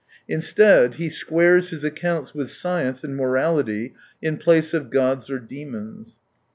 Instead he 45 squares his accounts with science and morality, in place of gods or demons.